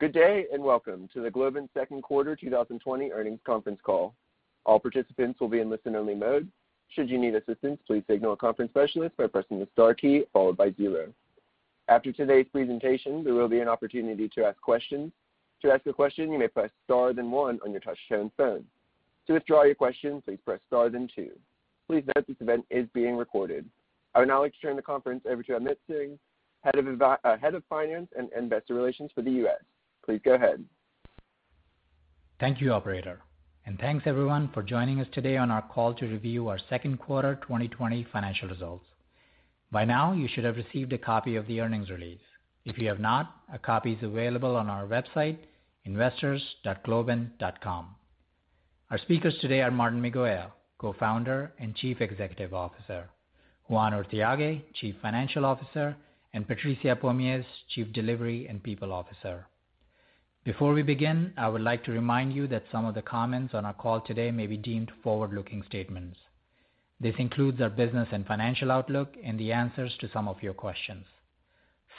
Good day, and welcome to the Globant second quarter 2020 earnings conference call. I would now like to turn the conference over to Amit Singh, Head of Finance and Investor Relations for the U.S. Please go ahead. Thank you, operator. Thanks everyone for joining us today on our call to review our second quarter 2020 financial results. By now, you should have received a copy of the earnings release. If you have not, a copy is available on our website investors.globant.com. Our speakers today are Martín Migoya, Co-founder and Chief Executive Officer, Juan Urthiague, Chief Financial Officer, and Patricia Pomies, Chief Delivery and People Officer. Before we begin, I would like to remind you that some of the comments on our call today may be deemed forward-looking statements. This includes our business and financial outlook and the answers to some of your questions.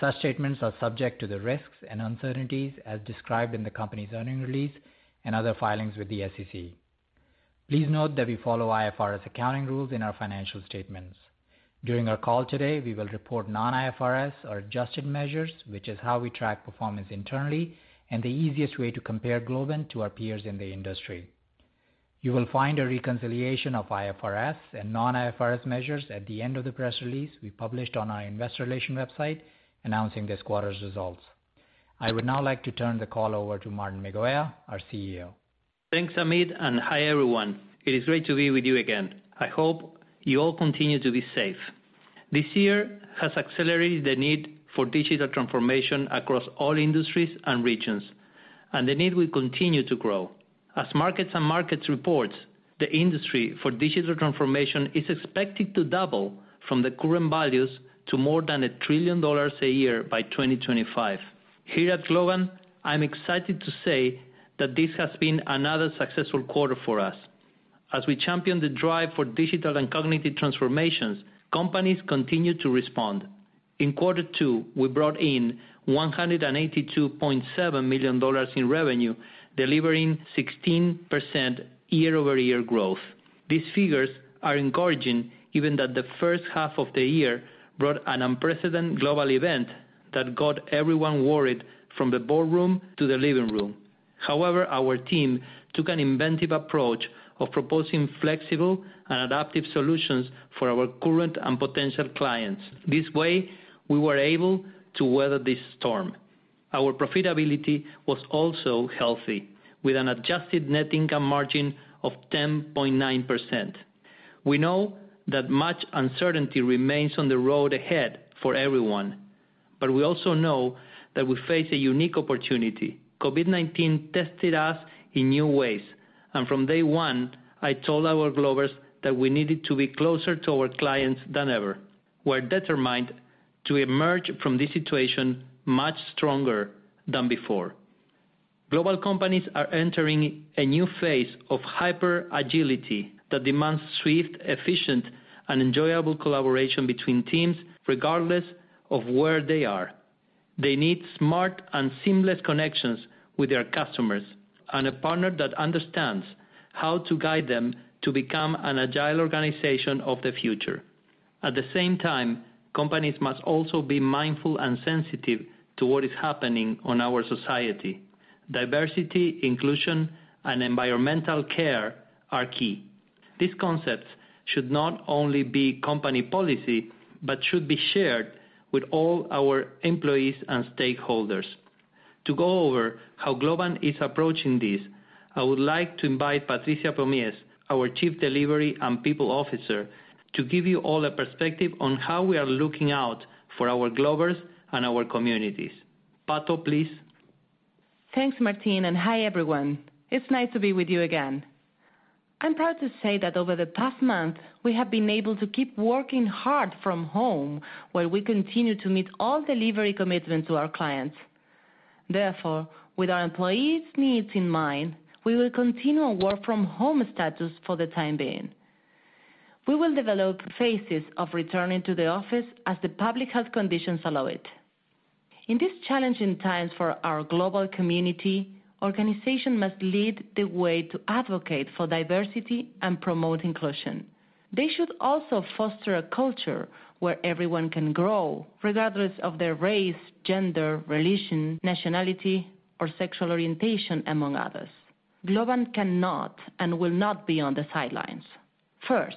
Such statements are subject to the risks and uncertainties as described in the company's earning release and other filings with the SEC. Please note that we follow IFRS accounting rules in our financial statements. During our call today, we will report non-IFRS or adjusted measures, which is how we track performance internally and the easiest way to compare Globant to our peers in the industry. You will find a reconciliation of IFRS and non-IFRS measures at the end of the press release we published on our investor relation website announcing this quarter's results. I would now like to turn the call over to Martín Migoya, our CEO. Thanks, Amit. Hi, everyone. It is great to be with you again. I hope you all continue to be safe. This year has accelerated the need for digital transformation across all industries and regions, and the need will continue to grow. As MarketsandMarkets reports, the industry for digital transformation is expected to double from the current values to more than $1 trillion a year by 2025. Here at Globant, I'm excited to say that this has been another successful quarter for us. As we champion the drive for digital and cognitive transformations, companies continue to respond. In quarter two, we brought in $182.7 million in revenue, delivering 16% year-over-year growth. These figures are encouraging, given that the first half of the year brought an unprecedented global event that got everyone worried from the boardroom to their living room. However, our team took an inventive approach of proposing flexible and adaptive solutions for our current and potential clients. This way, we were able to weather this storm. Our profitability was also healthy, with an adjusted net income margin of 10.9%. We know that much uncertainty remains on the road ahead for everyone. We also know that we face a unique opportunity. COVID-19 tested us in new ways, and from day one, I told our Globers that we needed to be closer to our clients than ever. We're determined to emerge from this situation much stronger than before. Global companies are entering a new phase of hyper agility that demands swift, efficient, and enjoyable collaboration between teams, regardless of where they are. They need smart and seamless connections with their customers and a partner that understands how to guide them to become an agile organization of the future. At the same time, companies must also be mindful and sensitive to what is happening in our society. Diversity, inclusion, and environmental care are key. These concepts should not only be company policy but should be shared with all our employees and stakeholders. To go over how Globant is approaching this, I would like to invite Patricia Pomies, our Chief Delivery and People Officer, to give you all a perspective on how we are looking out for our Globers and our communities. Pato, please. Thanks, Martín, and hi everyone. It's nice to be with you again. I'm proud to say that over the past month, we have been able to keep working hard from home, where we continue to meet all delivery commitments to our clients. Therefore, with our employees' needs in mind, we will continue a work-from-home status for the time being. We will develop phases of returning to the office as the public health conditions allow it. In these challenging times for our global community, organizations must lead the way to advocate for diversity and promote inclusion. They should also foster a culture where everyone can grow, regardless of their race, gender, religion, nationality, or sexual orientation, among others. Globant cannot and will not be on the sidelines. First,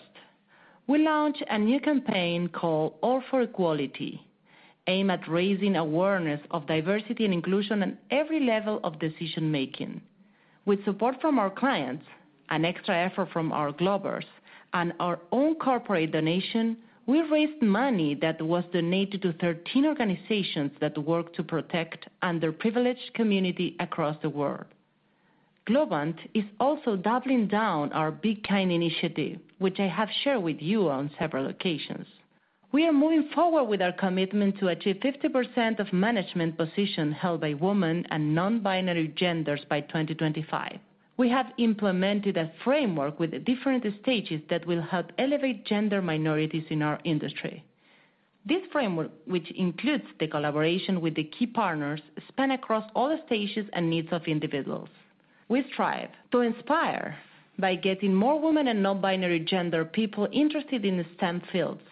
we launched a new campaign called All for Equality, aimed at raising awareness of diversity and inclusion at every level of decision-making. With support from our clients, and extra effort from our Globers, and our own corporate donation, we raised money that was donated to 13 organizations that work to protect underprivileged communities across the world. Globant is also doubling down on our Be Kind initiative, which I have shared with you on several occasions. We are moving forward with our commitment to achieve 50% of management positions held by women and non-binary genders by 2025. We have implemented a framework with different stages that will help elevate gender minorities in our industry. This framework, which includes the collaboration with the key partners, span across all stages and needs of individuals. We strive to inspire by getting more women and non-binary gender people interested in the STEM fields,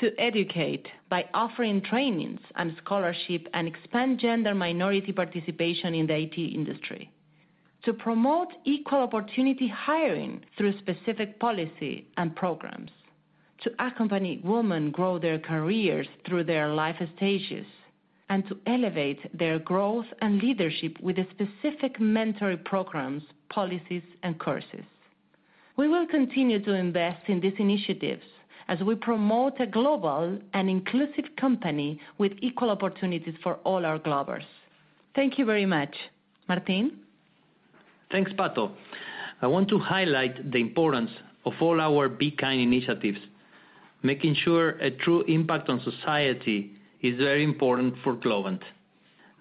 to educate by offering trainings and scholarship, and expand gender minority participation in the IT industry. To promote equal opportunity hiring through specific policy and programs. To accompany women grow their careers through their life stages, and to elevate their growth and leadership with the specific mentor programs, policies, and courses. We will continue to invest in these initiatives as we promote a global and inclusive company with equal opportunities for all our Globers. Thank you very much. Martín? Thanks, Pato. I want to highlight the importance of all our Be Kind initiatives. Making sure a true impact on society is very important for Globant.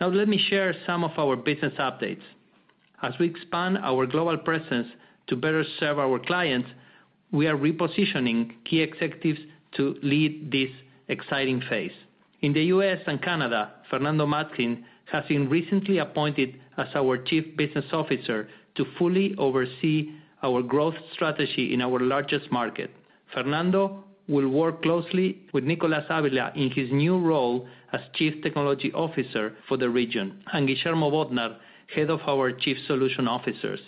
Let me share some of our business updates. As we expand our global presence to better serve our clients, we are repositioning key executives to lead this exciting phase. In the U.S. and Canada, Fernando Matzkin has been recently appointed as our Chief Business Officer to fully oversee our growth strategy in our largest market. Fernando will work closely with Nicolás Ávila in his new role as Chief Technology Officer for the region, and Guillermo Bodnar, Head of our Chief Solutions Officers.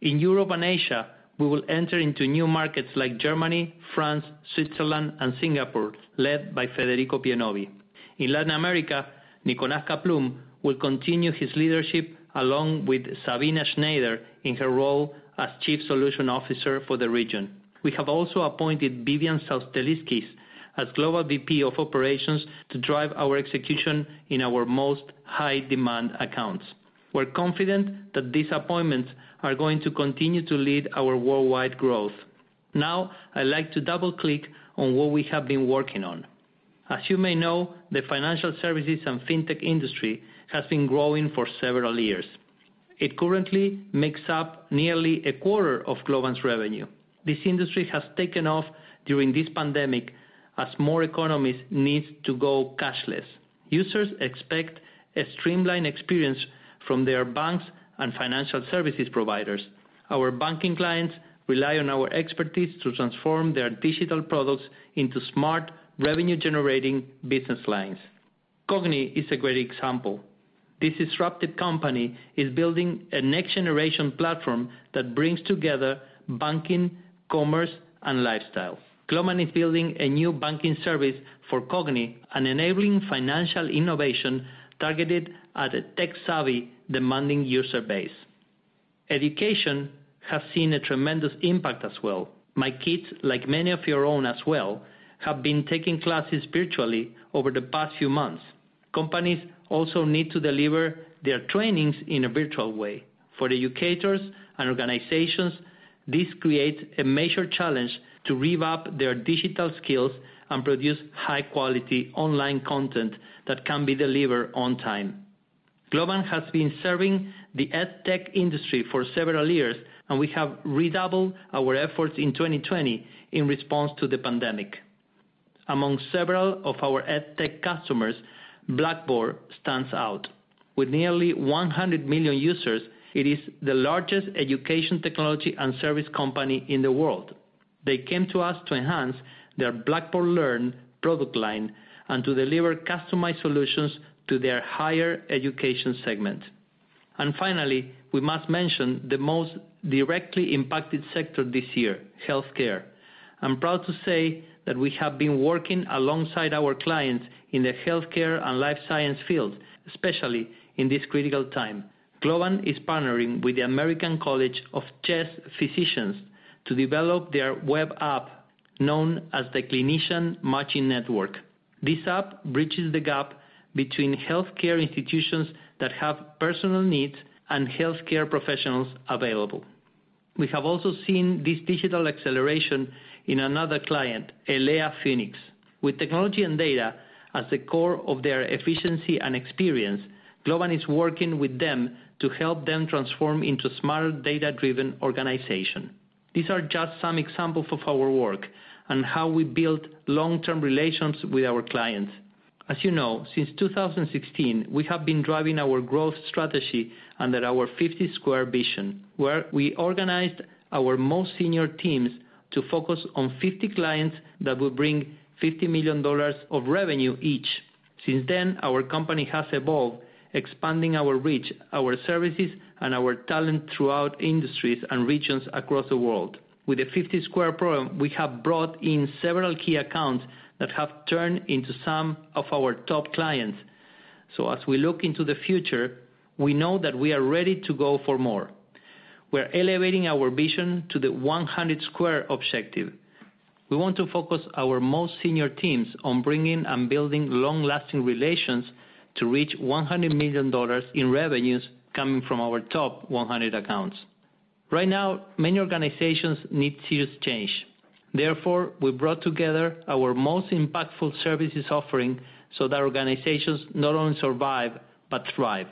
In Europe and Asia, we will enter into new markets like Germany, France, Switzerland, and Singapore, led by Federico Pienovi. In Latin America, Nicolás Kaplun will continue his leadership, along with Sabina Schneider in her role as Chief Solutions Officer for the region. We have also appointed Vivian Sauksteliskis as Global VP of Operations to drive our execution in our most high-demand accounts. We're confident that these appointments are going to continue to lead our worldwide growth. Now, I'd like to double-click on what we have been working on. As you may know, the financial services and fintech industry has been growing for several years. It currently makes up nearly a quarter of Globant's revenue. This industry has taken off during this pandemic as more economies need to go cashless. Users expect a streamlined experience from their banks and financial services providers. Our banking clients rely on our expertise to transform their digital products into smart, revenue-generating business lines. Cogni is a great example. This disruptive company is building a next-generation platform that brings together banking, commerce, and lifestyle. Globant is building a new banking service for Cogni and enabling financial innovation targeted at a tech-savvy, demanding user base. Education has seen a tremendous impact as well. My kids, like many of your own as well, have been taking classes virtually over the past few months. Companies also need to deliver their trainings in a virtual way. For educators and organizations, this creates a major challenge to rev up their digital skills and produce high-quality online content that can be delivered on time. Globant has been serving the EdTech industry for several years, and we have redoubled our efforts in 2020 in response to the pandemic. Among several of our EdTech customers, Blackboard stands out. With nearly 100 million users, it is the largest education technology and service company in the world. They came to us to enhance their Blackboard Learn product line and to deliver customized solutions to their higher education segment. Finally, we must mention the most directly impacted sector this year: healthcare. I'm proud to say that we have been working alongside our clients in the healthcare and life science field, especially in this critical time. Globant is partnering with the American College of Chest Physicians to develop their web app, known as the Clinician Matching Network. This app bridges the gap between healthcare institutions that have personal needs and healthcare professionals available. We have also seen this digital acceleration in another client, Elea Phoenix. With technology and data as the core of their efficiency and experience, Globant is working with them to help them transform into a smarter data-driven organization. These are just some examples of our work and how we build long-term relations with our clients. As you know, since 2016, we have been driving our growth strategy under our 50-Squared vision, where we organized our most senior teams to focus on 50 clients that will bring $50 million of revenue each. Since then, our company has evolved, expanding our reach, our services, and our talent throughout industries and regions across the world. With the 50-Squared program, we have brought in several key accounts that have turned into some of our top clients. As we look into the future, we know that we are ready to go for more. We're elevating our vision to the 100-Square objective. We want to focus our most senior teams on bringing and building long-lasting relations to reach $100 million in revenues coming from our top 100 accounts. Right now, many organizations need serious change. We brought together our most impactful services offering so that organizations not only survive but thrive.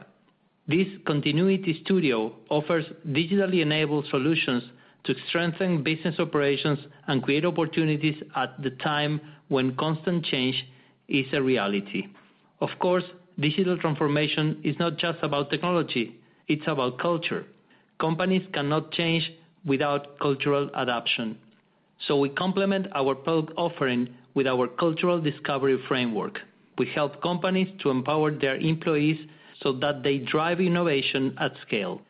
This Continuity Studio offers digitally enabled solutions to strengthen business operations and create opportunities at the time when constant change is a reality. Of course, digital transformation is not just about technology, it's about culture. Companies cannot change without cultural adaption. We complement our product offering with our cultural discovery framework. We help companies to empower their employees so that they drive innovation at scale.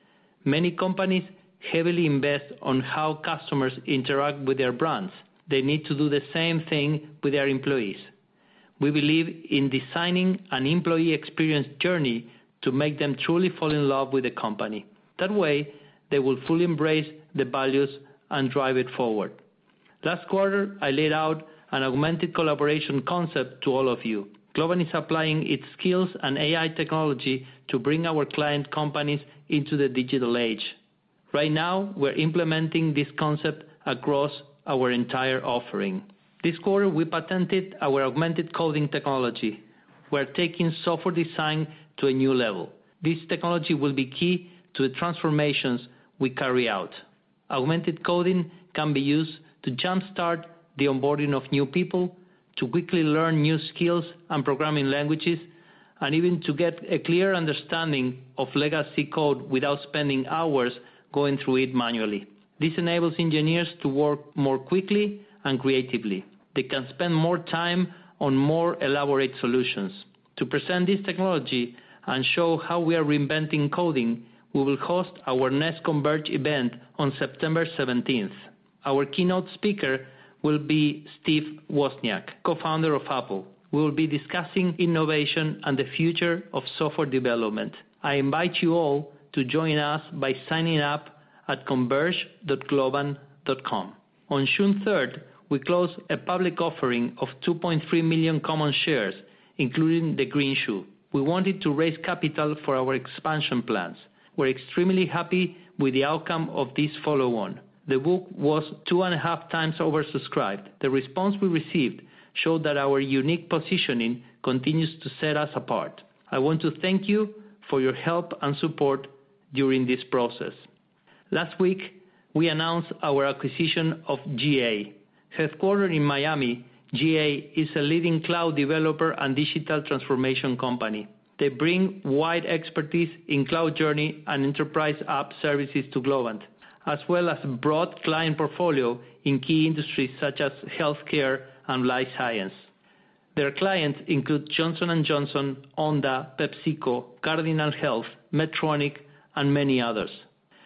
Many companies heavily invest on how customers interact with their brands. They need to do the same thing with their employees. We believe in designing an employee experience journey to make them truly fall in love with the company. That way, they will fully embrace the values and drive it forward. Last quarter, I laid out an augmented collaboration concept to all of you. Globant is applying its skills and AI technology to bring our client companies into the digital age. Right now, we're implementing this concept across our entire offering. This quarter, we patented our augmented coding technology. We're taking software design to a new level. This technology will be key to the transformations we carry out. Augmented coding can be used to jumpstart the onboarding of new people, to quickly learn new skills and programming languages, and even to get a clear understanding of legacy code without spending hours going through it manually. This enables engineers to work more quickly and creatively. They can spend more time on more elaborate solutions. To present this technology and show how we are reinventing coding, we will host our next Converge event on September 17th. Our keynote speaker will be Steve Wozniak, co-founder of Apple, who will be discussing innovation and the future of software development. I invite you all to join us by signing up at converge.globant.com. On June 3rd, we closed a public offering of 2.3 million common shares, including the greenshoe. We wanted to raise capital for our expansion plans. We're extremely happy with the outcome of this follow-on. The book was two and a half times oversubscribed. The response we received showed that our unique positioning continues to set us apart. I want to thank you for your help and support during this process. Last week, we announced our acquisition of gA. Headquartered in Miami, gA is a leading cloud developer and digital transformation company. They bring wide expertise in cloud journey and enterprise app services to Globant, as well as a broad client portfolio in key industries such as healthcare and life science. Their clients include Johnson & Johnson, Honda, PepsiCo, Cardinal Health, Medtronic, and many others.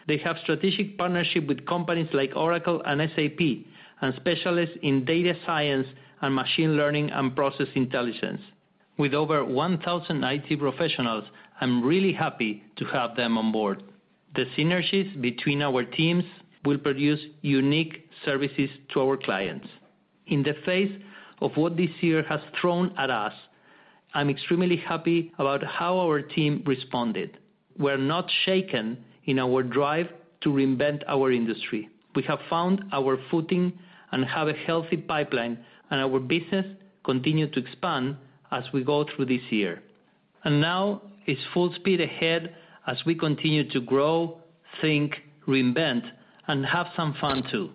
They have strategic partnership with companies like Oracle and SAP, and specialize in data science and machine learning and process intelligence. With over 1,000 IT professionals, I'm really happy to have them on board. The synergies between our teams will produce unique services to our clients. In the face of what this year has thrown at us, I'm extremely happy about how our team responded. We're not shaken in our drive to reinvent our industry. We have found our footing and have a healthy pipeline, and our business continue to expand as we go through this year. Now it's full speed ahead as we continue to grow, think, reinvent, and have some fun, too.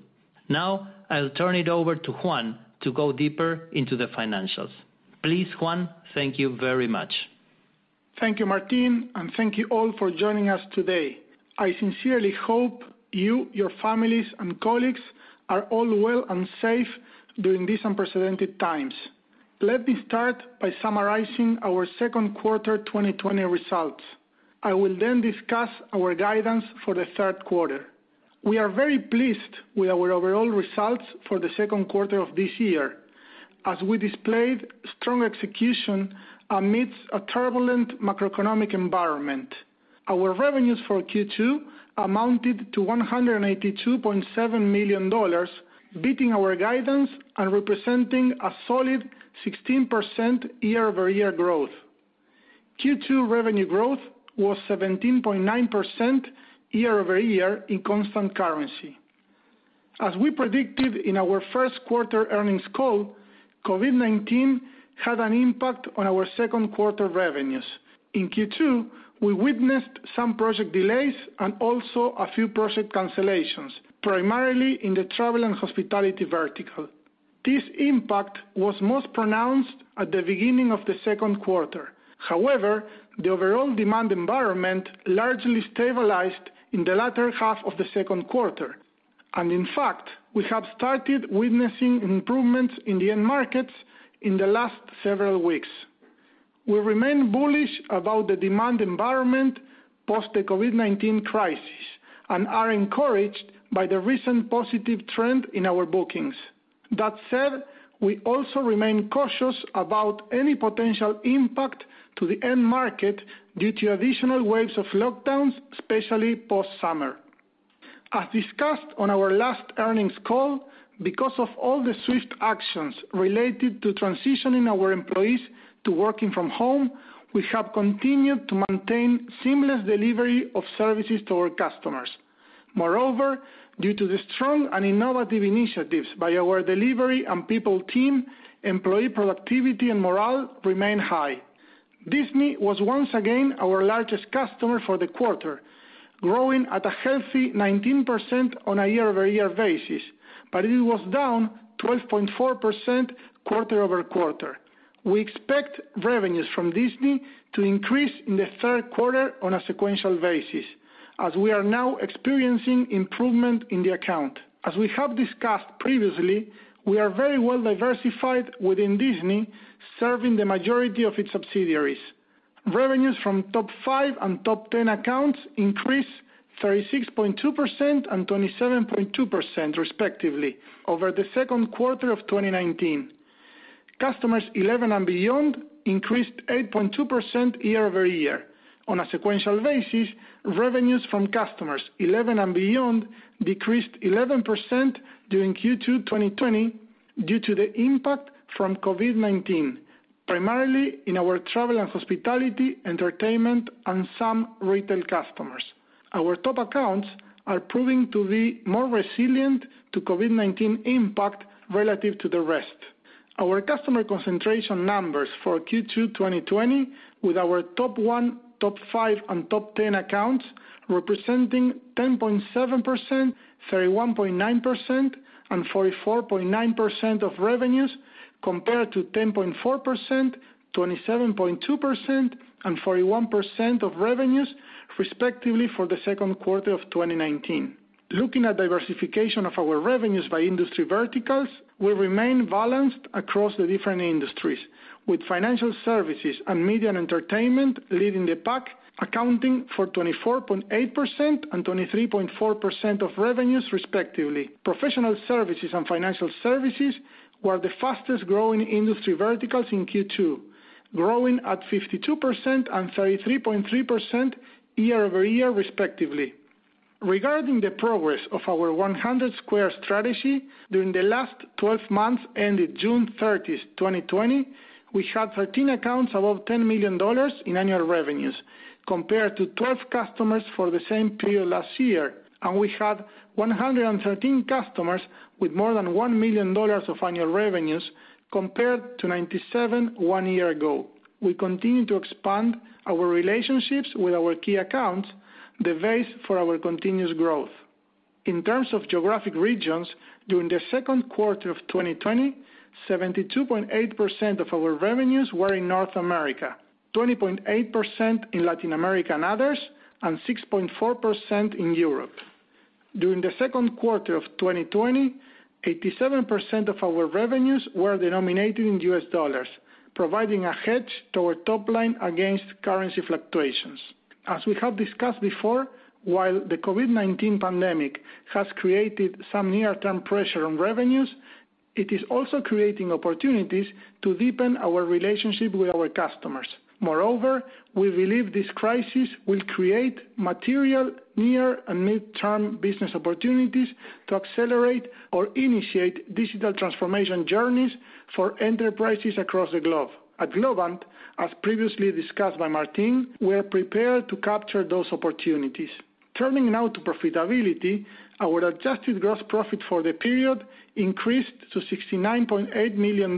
Now, I'll turn it over to Juan to go deeper into the financials. Please, Juan, thank you very much. Thank you, Martín, and thank you all for joining us today. I sincerely hope you, your families, and colleagues are all well and safe during these unprecedented times. Let me start by summarizing our second quarter 2020 results. I will discuss our guidance for the third quarter. We are very pleased with our overall results for the second quarter of this year, as we displayed strong execution amidst a turbulent macroeconomic environment. Our revenues for Q2 amounted to $182.7 million, beating our guidance and representing a solid 16% year-over-year growth. Q2 revenue growth was 17.9% year-over-year in constant currency. As we predicted in our first quarter earnings call, COVID-19 had an impact on our second quarter revenues. In Q2, we witnessed some project delays and also a few project cancellations, primarily in the travel and hospitality vertical. This impact was most pronounced at the beginning of the second quarter. However, the overall demand environment largely stabilized in the latter half of the second quarter. In fact, we have started witnessing improvements in the end markets in the last several weeks. We remain bullish about the demand environment post the COVID-19 crisis and are encouraged by the recent positive trend in our bookings. That said, we also remain cautious about any potential impact to the end market due to additional waves of lockdowns, especially post-summer. As discussed on our last earnings call, because of all the swift actions related to transitioning our employees to working from home, we have continued to maintain seamless delivery of services to our customers. Moreover, due to the strong and innovative initiatives by our delivery and people team, employee productivity and morale remain high. Disney was once again our largest customer for the quarter, growing at a healthy 19% on a year-over-year basis, but it was down 12.4% quarter-over-quarter. We expect revenues from Disney to increase in the third quarter on a sequential basis, as we are now experiencing improvement in the account. As we have discussed previously, we are very well diversified within Disney, serving the majority of its subsidiaries. Revenues from top five and top 10 accounts increased 36.2% and 27.2% respectively over the second quarter of 2019. Customers 11 and beyond increased 8.2% year-over-year. On a sequential basis, revenues from customers 11 and beyond decreased 11% during Q2 2020 due to the impact from COVID-19, primarily in our travel and hospitality, entertainment, and some retail customers. Our top accounts are proving to be more resilient to COVID-19 impact relative to the rest. Our customer concentration numbers for Q2 2020 with our top one, top five, and top 10 accounts representing 10.7%, 31.9%, and 44.9% of revenues compared to 10.4%, 27.2%, and 41% of revenues, respectively, for the second quarter of 2019. Looking at diversification of our revenues by industry verticals, we remain balanced across the different industries, with financial services and media and entertainment leading the pack, accounting for 24.8% and 23.4% of revenues respectively. Professional services and financial services were the fastest-growing industry verticals in Q2, growing at 52% and 33.3% year-over-year respectively. Regarding the progress of our 100-Square strategy during the last 12 months ended June 30th, 2020, we had 13 accounts above $10 million in annual revenues compared to 12 customers for the same period last year, and we had 113 customers with more than $1 million of annual revenues compared to 97 one year ago. We continue to expand our relationships with our key accounts, the base for our continuous growth. In terms of geographic regions, during the second quarter of 2020, 72.8% of our revenues were in North America, 20.8% in Latin America and others, and 6.4% in Europe. During the second quarter of 2020, 87% of our revenues were denominated in US dollars, providing a hedge to our top line against currency fluctuations. As we have discussed before, while the COVID-19 pandemic has created some near-term pressure on revenues, it is also creating opportunities to deepen our relationship with our customers. We believe this crisis will create material near and mid-term business opportunities to accelerate or initiate digital transformation journeys for enterprises across the globe. At Globant, as previously discussed by Martín, we are prepared to capture those opportunities. Turning now to profitability, our adjusted gross profit for the period increased to $69.8 million,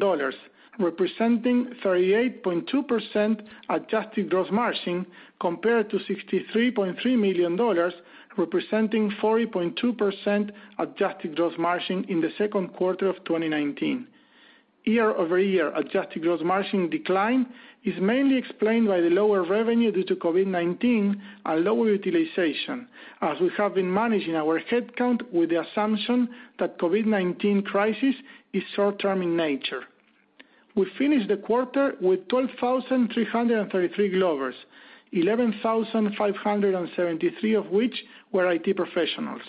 representing 38.2% adjusted gross margin compared to $63.3 million, representing 40.2% adjusted gross margin in the second quarter of 2019. Year-over-year adjusted gross margin decline is mainly explained by the lower revenue due to COVID-19 and lower utilization, as we have been managing our headcount with the assumption that COVID-19 crisis is short-term in nature. We finished the quarter with 12,333 Globers, 11,573 of which were IT professionals.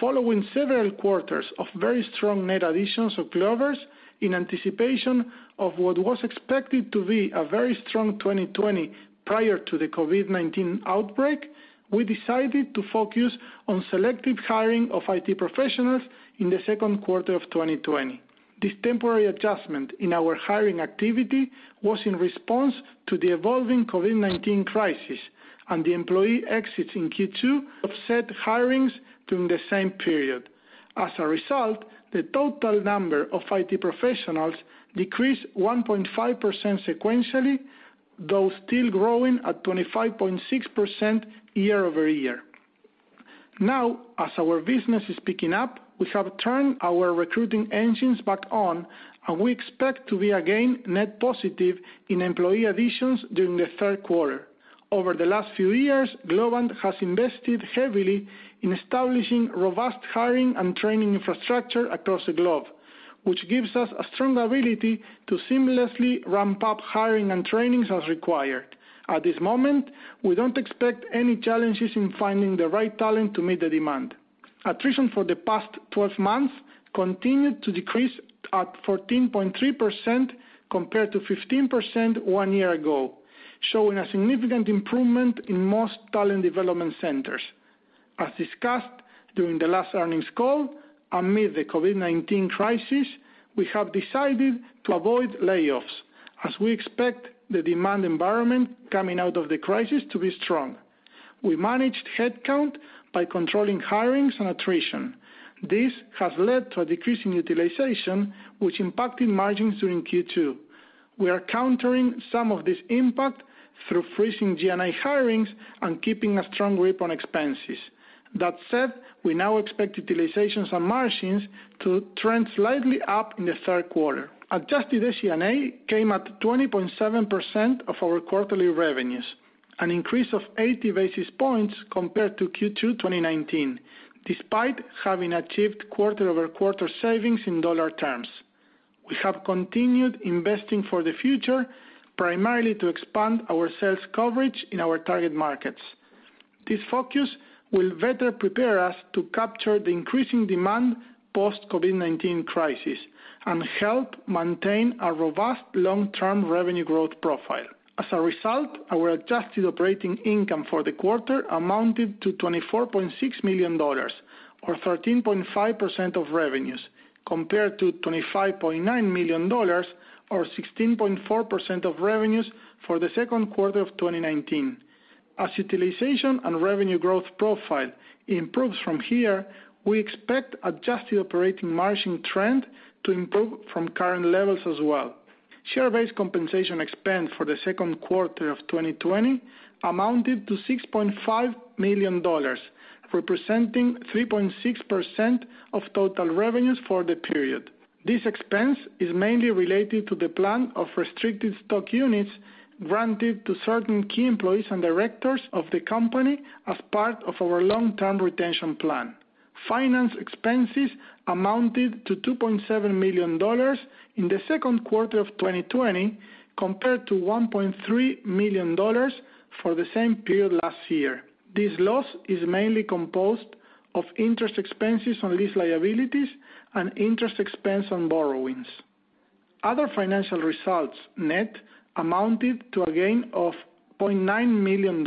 Following several quarters of very strong net additions of Globers in anticipation of what was expected to be a very strong 2020 prior to the COVID-19 outbreak, we decided to focus on selective hiring of IT professionals in the second quarter of 2020. This temporary adjustment in our hiring activity was in response to the evolving COVID-19 crisis, and the employee exits in Q2 offset hirings during the same period. As a result, the total number of IT professionals decreased 1.5% sequentially, though still growing at 25.6% year-over-year. Now, as our business is picking up, we have turned our recruiting engines back on, and we expect to be again net positive in employee additions during the third quarter. Over the last few years, Globant has invested heavily in establishing robust hiring and training infrastructure across the globe, which gives us a strong ability to seamlessly ramp up hiring and trainings as required. At this moment, we don't expect any challenges in finding the right talent to meet the demand. Attrition for the past 12 months continued to decrease at 14.3% compared to 15% one year ago, showing a significant improvement in most talent development centers. As discussed during the last earnings call, amid the COVID-19 crisis, we have decided to avoid layoffs. We expect the demand environment coming out of the crisis to be strong. We managed headcount by controlling hirings and attrition. This has led to a decrease in utilization, which impacted margins during Q2. We are countering some of this impact through freezing G&A hirings and keeping a strong grip on expenses. We now expect utilizations and margins to trend slightly up in the third quarter. Adjusted ACNA came at 20.7% of our quarterly revenues, an increase of 80 basis points compared to Q2 2019, despite having achieved quarter-over-quarter savings in dollar terms. We have continued investing for the future, primarily to expand our sales coverage in our target markets. This focus will better prepare us to capture the increasing demand post-COVID-19 crisis and help maintain a robust long-term revenue growth profile. As a result, our adjusted operating income for the quarter amounted to $24.6 million, or 13.5% of revenues, compared to $25.9 million, or 16.4% of revenues for the second quarter of 2019. As utilization and revenue growth profile improves from here, we expect adjusted operating margin trend to improve from current levels as well. Share-based compensation expense for the second quarter of 2020 amounted to $6.5 million, representing 3.6% of total revenues for the period. This expense is mainly related to the plan of restricted stock units granted to certain key employees and directors of the company as part of our long-term retention plan. Finance expenses amounted to $2.7 million in the second quarter of 2020, compared to $1.3 million for the same period last year. This loss is mainly composed of interest expenses on lease liabilities and interest expense on borrowings. Other financial results net amounted to a gain of $0.9 million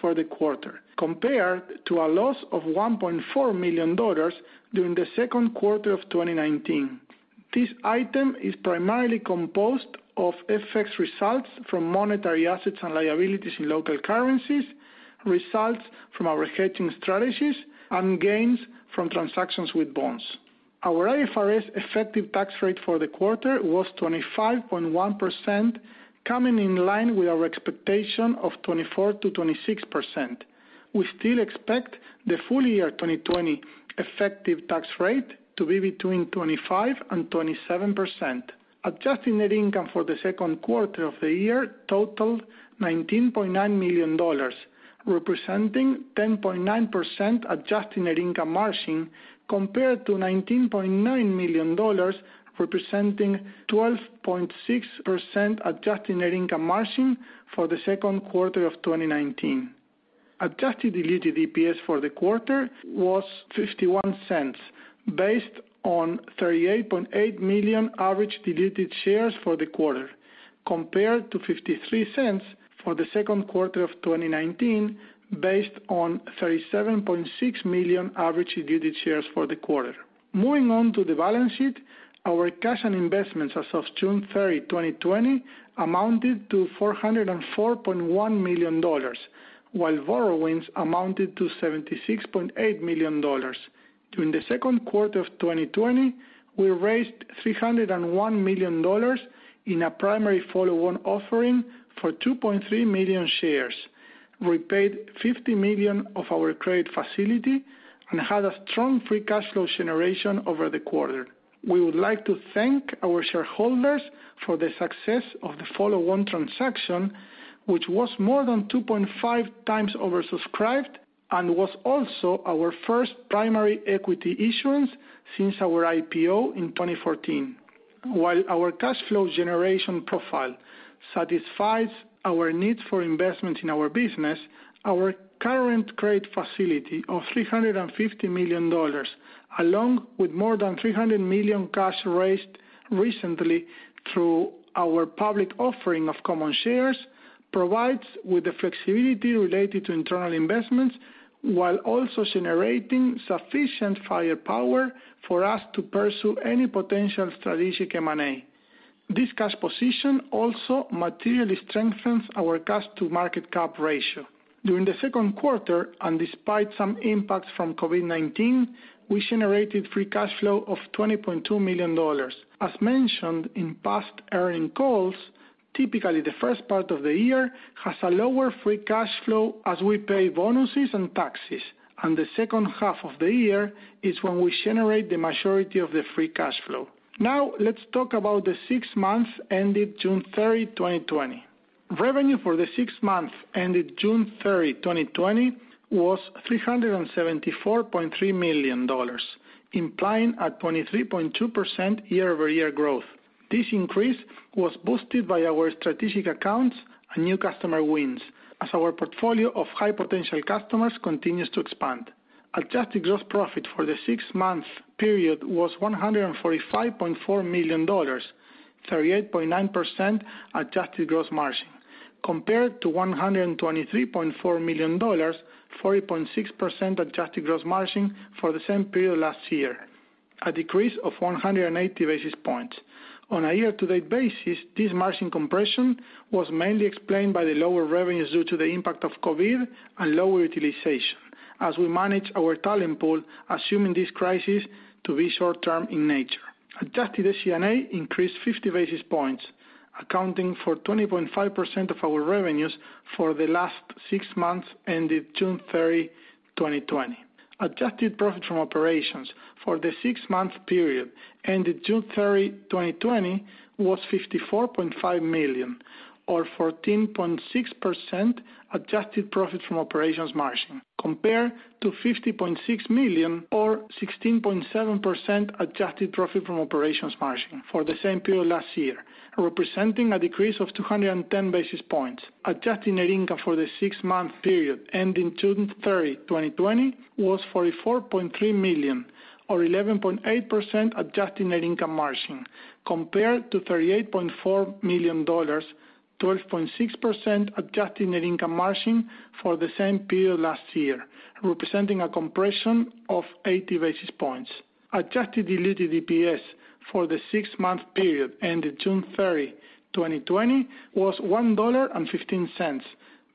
for the quarter, compared to a loss of $1.4 million during the second quarter of 2019. This item is primarily composed of FX results from monetary assets and liabilities in local currencies, results from our hedging strategies, and gains from transactions with bonds. Our IFRS effective tax rate for the quarter was 25.1%, coming in line with our expectation of 24%-26%. We still expect the full year 2020 effective tax rate to be between 25% and 27%. Adjusted net income for the second quarter of the year totaled $19.9 million, representing 10.9% adjusted net income margin, compared to $19.9 million, representing 12.6% adjusted net income margin for the second quarter of 2019. Adjusted diluted EPS for the quarter was $0.51, based on 38.8 million average diluted shares for the quarter, compared to $0.53 for the second quarter of 2019, based on 37.6 million average diluted shares for the quarter. Moving on to the balance sheet. Our cash and investments as of June 30, 2020, amounted to $404.1 million, while borrowings amounted to $76.8 million. During the second quarter of 2020, we raised $301 million in a primary follow-on offering for 2.3 million shares, repaid $50 million of our credit facility, and had a strong free cash flow generation over the quarter. We would like to thank our shareholders for the success of the follow-on transaction, which was more than 2.5 times over-subscribed and was also our first primary equity issuance since our IPO in 2014. While our cash flow generation profile satisfies our needs for investment in our business, our current credit facility of $350 million, along with more than $300 million cash raised recently through our public offering of common shares, provides with the flexibility related to internal investments while also generating sufficient firepower for us to pursue any potential strategic M&A. This cash position also materially strengthens our cash to market cap ratio. During the second quarter, and despite some impacts from COVID-19, we generated free cash flow of $20.2 million. As mentioned in past earnings calls, typically the first part of the year has a lower free cash flow as we pay bonuses and taxes, and the second half of the year is when we generate the majority of the free cash flow. Let's talk about the six months ended June 30, 2020. Revenue for the six months ended June 30, 2020, was $374.3 million, implying a 23.2% year-over-year growth. This increase was boosted by our strategic accounts and new customer wins as our portfolio of high-potential customers continues to expand. Adjusted gross profit for the six-month period was $145.4 million, 38.9% adjusted gross margin, compared to $123.4 million, 40.6% adjusted gross margin for the same period last year. A decrease of 180 basis points. On a year-to-date basis, this margin compression was mainly explained by the lower revenues due to the impact of COVID and lower utilization as we manage our talent pool, assuming this crisis to be short-term in nature. Adjusted SG&A increased 50 basis points, accounting for 20.5% of our revenues for the last six months ended June 30, 2020. Adjusted profit from operations for the six-month period ended June 30, 2020, was $54.5 million or 14.6% adjusted profit from operations margin, compared to $50.6 million or 16.7% adjusted profit from operations margin for the same period last year, representing a decrease of 210 basis points. Adjusted net income for the six-month period ending June 30, 2020, was $44.3 million, or 11.8% adjusted net income margin, compared to $38.4 million, 12.6% adjusted net income margin for the same period last year, representing a compression of 80 basis points. Adjusted diluted EPS for the six-month period ended June 30, 2020, was $1.15,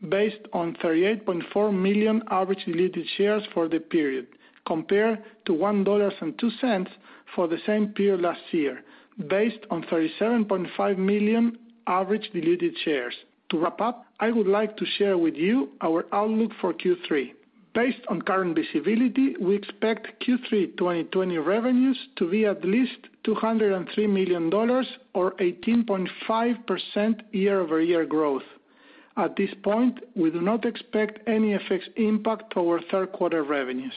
based on 38.4 million average diluted shares for the period, compared to $1.02 for the same period last year, based on 37.5 million average diluted shares. To wrap up, I would like to share with you our outlook for Q3. Based on current visibility, we expect Q3 2020 revenues to be at least $203 million or 18.5% year-over-year growth. At this point, we do not expect any FX impact to our third quarter revenues.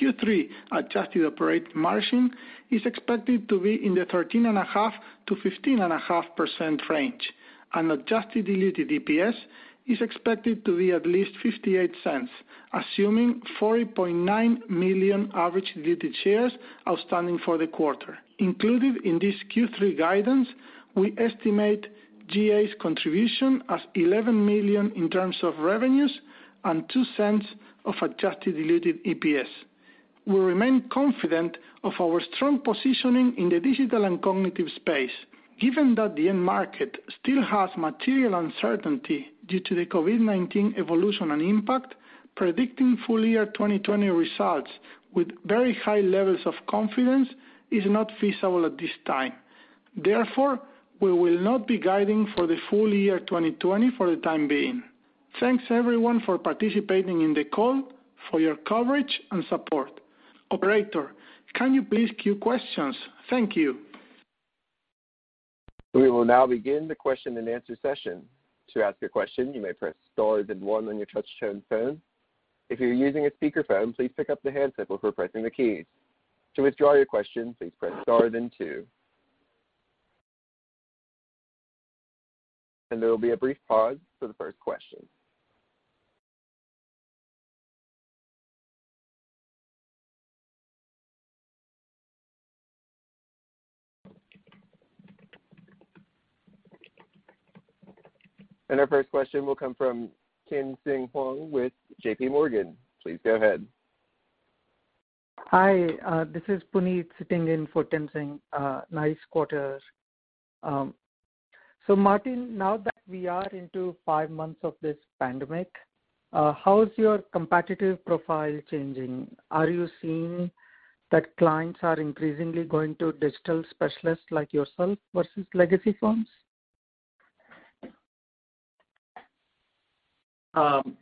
Q3 adjusted operating margin is expected to be in the 13.5%-15.5% range, and adjusted diluted EPS is expected to be at least $0.58, assuming 40.9 million average diluted shares outstanding for the quarter. Included in this Q3 guidance, we estimate gA's contribution as $11 million in terms of revenues and $0.02 of adjusted diluted EPS. We remain confident of our strong positioning in the digital and cognitive space. Given that the end market still has material uncertainty due to the COVID-19 evolution and impact, predicting full year 2020 results with very high levels of confidence is not feasible at this time. Therefore, we will not be guiding for the full year 2020 for the time being. Thanks everyone for participating in the call, for your coverage and support. Operator, can you please queue questions? Thank you. We will now begin the question and answer session. To ask a question, you may press star then one on your touchtone phone. If you're using a speakerphone, please pick up the handset before pressing the keys. To withdraw your question, please press star then two. There will be a brief pause for the first question. Our first question will come from Tien-Tsin Huang with JP Morgan. Please go ahead. Hi. This is Puneet sitting in for Tien-Tsin. Nice quarters. Martín, now that we are into five months of this pandemic, how is your competitive profile changing? Are you seeing that clients are increasingly going to digital specialists like yourself versus legacy firms? Can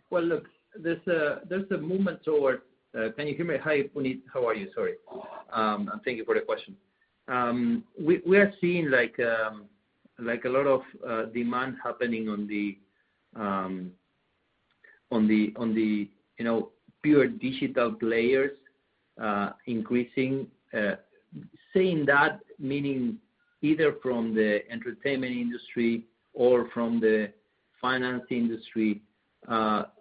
you hear me? Hi, Puneet. How are you? Sorry. Thank you for the question. We are seeing a lot of demand happening on the pure digital players increasing. Seeing that, meaning either from the entertainment industry or from the finance industry,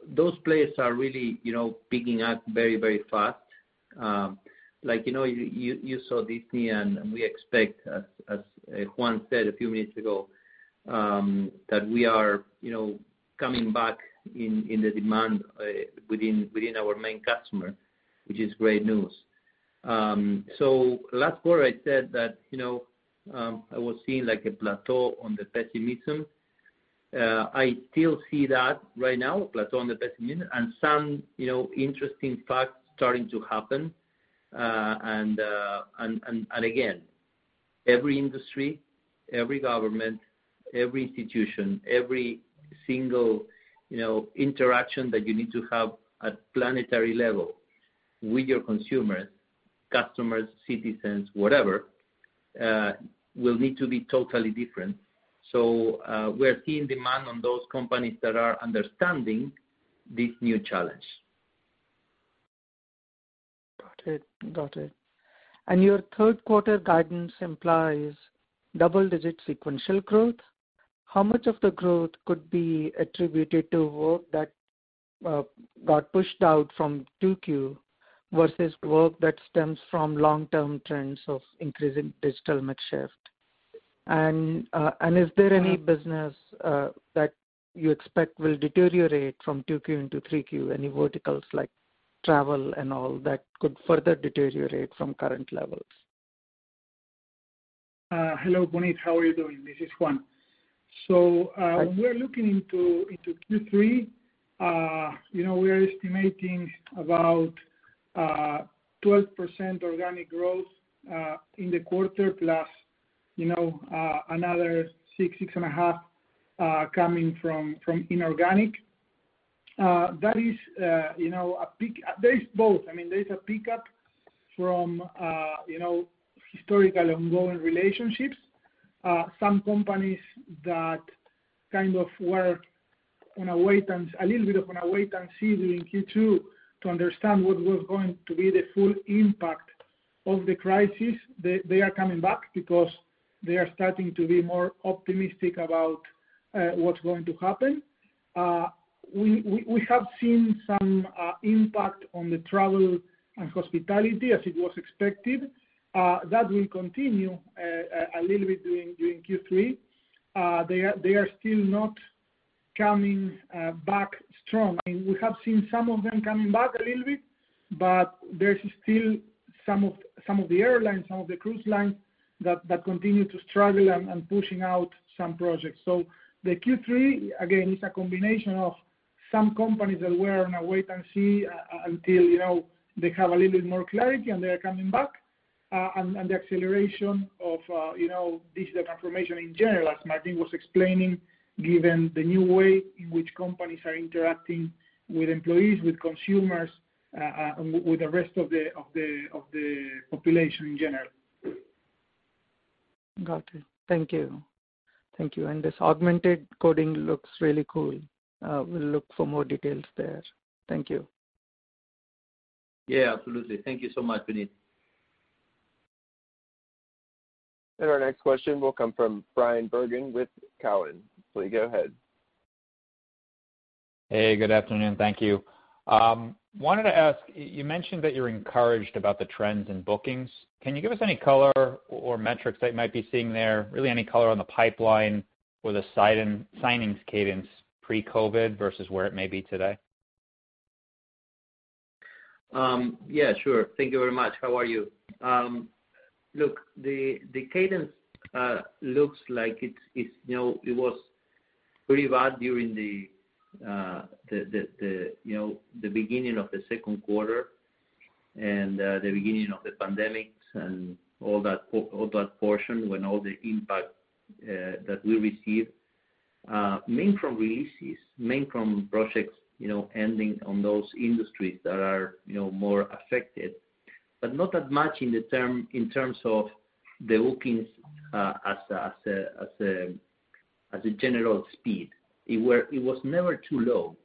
those players are really picking up very fast. You saw Disney. We expect, as Juan said a few minutes ago, that we are coming back in the demand within our main customer, which is great news. Last quarter, I said that I was seeing a plateau on the pessimism. I still see that right now, a plateau on the pessimism. Some interesting facts starting to happen. Again, every industry, every government, every institution, every single interaction that you need to have at planetary level with your consumers, customers, citizens, whatever, will need to be totally different. We're seeing demand on those companies that are understanding this new challenge. Got it. Your third quarter guidance implies double-digit sequential growth. How much of the growth could be attributed to work that got pushed out from 2Q versus work that stems from long-term trends of increasing digital shift. Is there any business that you expect will deteriorate from 2Q into 3Q? Any verticals like travel and all that could further deteriorate from current levels? Hello, Puneet, how are you doing? This is Juan. Hi We are looking into Q3. We are estimating about 12% organic growth in the quarter plus another 6.5 coming from inorganic. There is both. There is a pickup from historical ongoing relationships. Some companies that kind of were on a little bit of a wait and see in Q2 to understand what was going to be the full impact of the crisis, they are coming back because they are starting to be more optimistic about what's going to happen. We have seen some impact on the travel and hospitality as it was expected. That will continue a little bit during Q3. They are still not coming back strong. We have seen some of them coming back a little bit, but there's still some of the airlines, some of the cruise lines that continue to struggle and pushing out some projects. The Q3, again, is a combination of some companies that were on a wait and see until they have a little bit more clarity and they are coming back. The acceleration of digital transformation in general, as Martín was explaining, given the new way in which companies are interacting with employees, with consumers, and with the rest of the population in general. Got it. Thank you. This augmented coding looks really cool. We'll look for more details there. Thank you. Yeah, absolutely. Thank you so much, Puneet. Our next question will come from Bryan Bergin with Cowen. Please go ahead. Hey, good afternoon. Thank you. Wanted to ask, you mentioned that you're encouraged about the trends in bookings. Can you give us any color or metrics that you might be seeing there? Really any color on the pipeline or the signings cadence pre-COVID versus where it may be today? Yeah, sure. Thank you very much. How are you? Look, the cadence looks like it was pretty bad during the beginning of the second quarter and the beginning of the pandemic and all that portion, when all the impact that we received. Mainly from releases, mainly from projects ending on those industries that are more affected. Not that much in terms of the bookings as a general speed. It was never too low.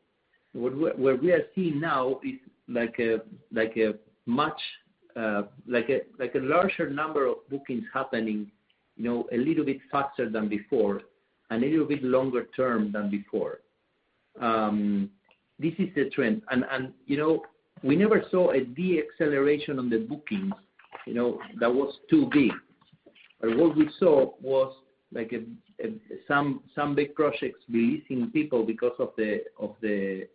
What we are seeing now is a larger number of bookings happening a little bit faster than before and a little bit longer term than before. This is the trend. We never saw a deceleration on the bookings that was too big. What we saw was some big projects releasing people because of the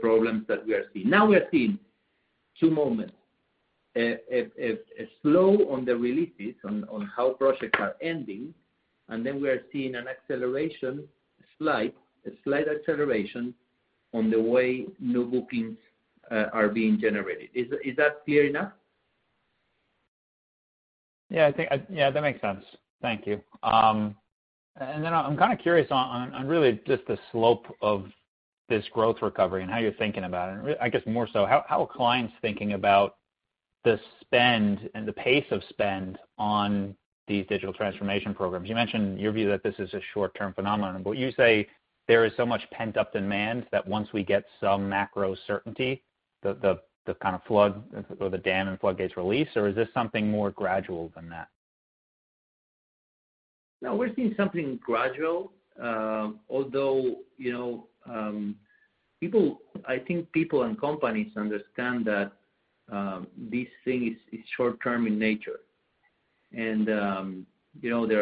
problems that we are seeing. Now we are seeing two moments. A slow on the releases, on how projects are ending, and then we are seeing an acceleration, slight acceleration on the way new bookings are being generated. Is that clear enough? Yeah, that makes sense. Thank you. I'm kind of curious on really just the slope of this growth recovery and how you're thinking about it. I guess more so, how are clients thinking about the spend and the pace of spend on these digital transformation programs? You mentioned your view that this is a short-term phenomenon. Would you say there is so much pent-up demand that once we get some macro certainty, the dam and floodgates release, or is this something more gradual than that? No, we're seeing something gradual. Although I think people and companies understand that this thing is short-term in nature. There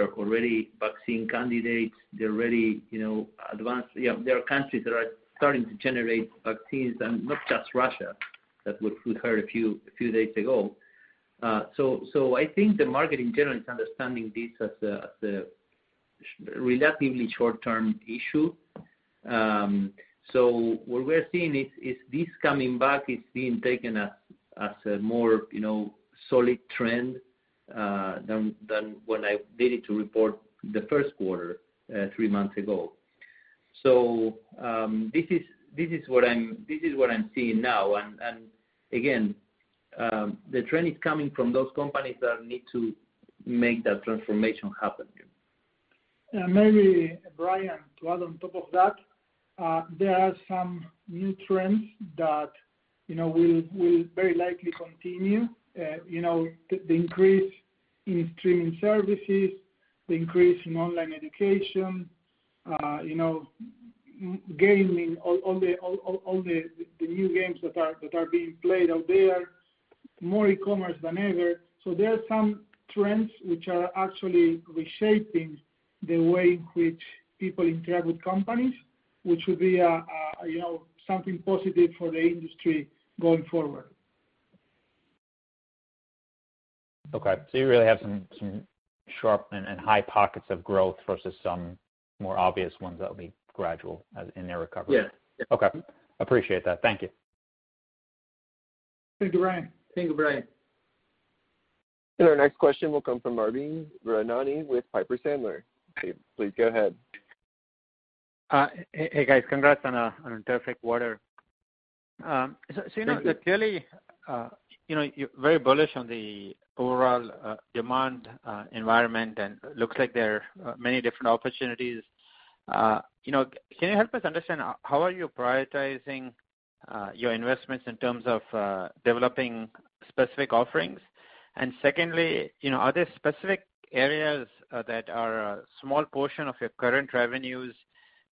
are already vaccine candidates, there are countries that are starting to generate vaccines, not just Russia, that we heard a few days ago. I think the market, in general, is understanding this as a relatively short-term issue. What we're seeing is this coming back. It's being taken as a more solid trend than when I did it to report the first quarter three months ago. This is what I'm seeing now. Again, the trend is coming from those companies that need to make that transformation happen. Maybe, Bryan, to add on top of that, there are some new trends that will very likely continue. The increase in streaming services, the increase in online education, gaming, all the new games that are being played out there, more e-commerce than ever. There are some trends which are actually reshaping the way in which people interact with companies, which would be something positive for the industry going forward. Okay, you really have some sharp and high pockets of growth versus some more obvious ones that will be gradual in their recovery. Yeah. Okay. Appreciate that. Thank you. Thank you, Bryan. Our next question will come from Arvind Ramnani with Piper Sandler. Please go ahead. Hey, guys. Congrats on a terrific quarter. Thank you. You're clearly very bullish on the overall demand environment, and looks like there are many different opportunities. Can you help us understand how are you prioritizing your investments in terms of developing specific offerings? Secondly, are there specific areas that are a small portion of your current revenues,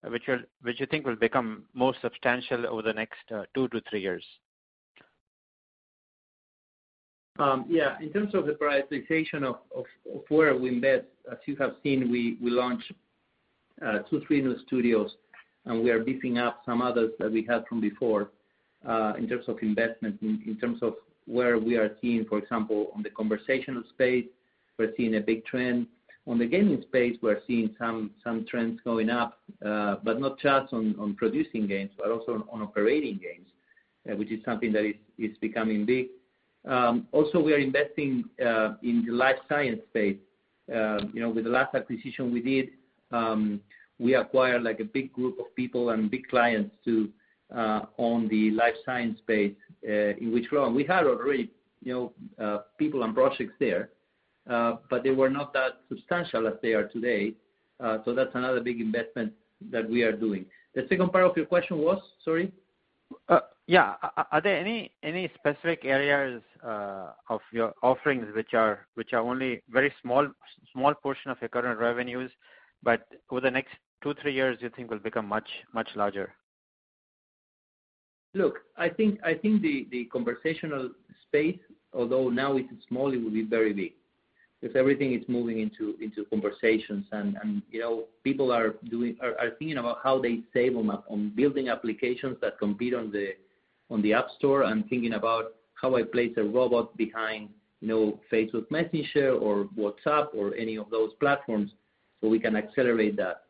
which you think will become more substantial over the next two to three years? Yeah. In terms of the prioritization of where we invest, as you have seen, we launched two, three new studios, and we are beefing up some others that we had from before, in terms of investment, in terms of where we are seeing, for example, on the conversational space, we're seeing a big trend. On the gaming space, we're seeing some trends going up, but not just on producing games, but also on operating games, which is something that is becoming big. Also, we are investing in the life science space. With the last acquisition we did, we acquired a big group of people and big clients too, on the life science space, in which we had already people and projects there, but they were not that substantial as they are today. That's another big investment that we are doing. The second part of your question was? Sorry. Yeah. Are there any specific areas of your offerings which are only very small portion of your current revenues, but over the next two, three years, you think will become much larger? Look, I think the conversational space, although now it is small, it will be very big, because everything is moving into conversations and people are thinking about how they save on building applications that compete on the App Store and thinking about how I place a robot behind Facebook Messenger or WhatsApp or any of those platforms, so we can accelerate that.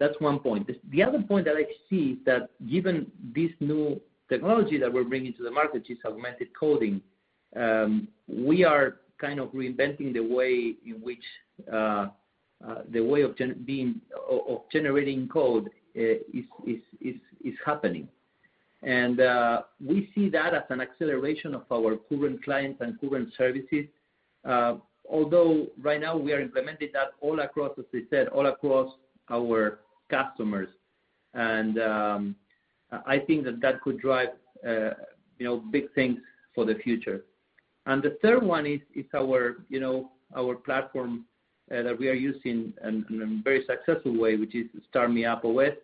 That's one point. The other point that I see is that given this new technology that we're bringing to the market, this augmented coding, we are kind of reinventing the way of generating code is happening. We see that as an acceleration of our current clients and current services. Right now we are implementing that all across, as we said, all across our customers. I think that that could drive big things for the future. The third one is our platform that we are using in a very successful way, which is StarMeUp OS.